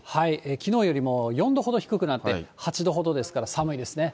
きのうよりも４度ほど低くなって８度ほどですから、寒いですね。